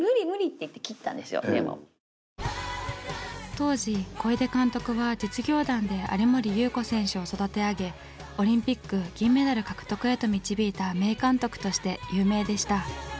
当時小出監督は実業団で有森裕子選手を育て上げオリンピック銀メダル獲得へと導いた名監督として有名でした。